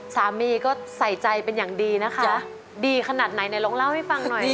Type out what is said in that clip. สามีก็ใส่ใจเป็นอย่างดีนะคะดีขนาดไหนเนี่ยลองเล่าให้ฟังหน่อย